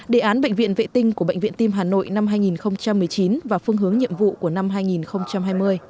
đề án bệnh viện vệ tinh của bệnh viện tim hà nội năm hai nghìn một mươi chín và phương hướng nhiệm vụ của năm hai nghìn hai mươi